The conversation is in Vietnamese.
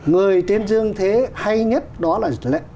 người trên dương thế hay nhất đó là